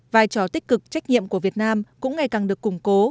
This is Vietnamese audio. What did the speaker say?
vai trò tích cực trách nhiệm của việt nam cũng ngày càng được củng cố